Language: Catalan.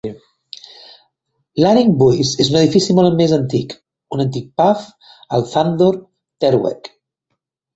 L'"Haringbuys" és un edifici molt més antic, un antic pub al Zandvoorterweg.